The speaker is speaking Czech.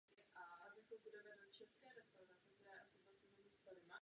Vlastníkem kaple je farnost Březová nad Svitavou.